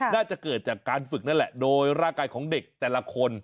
น่าจะเกิดจากการฝึกนั่นแหละโดยร่างกายของเด็กแต่ละคน